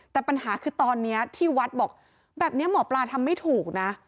แต่ปัญหาคือตอนนี้ที่วัดบอกแบบนี้หมอปลาทำไม่ถูกนะ